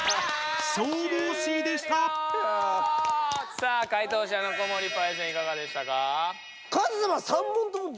さあ解答者の小森パイセンいかがでしたか？